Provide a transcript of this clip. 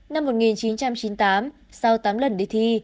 năm một nghìn chín trăm chín mươi tám sau tám lần đi thi